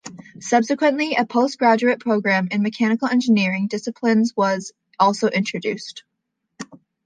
Subsequently a post-graduate program in mechanical engineering disciplines was also introduced.